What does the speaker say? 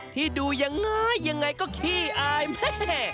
ที่ดูยังไงยังไงก็ขี้อายแม่